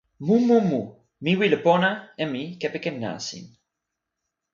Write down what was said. mu mu mu, mi wile pona e mi kepeken nasin.